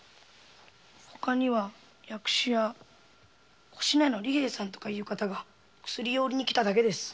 ほかには薬種屋・越乃屋の利平さんという方が薬を売りにきただけです。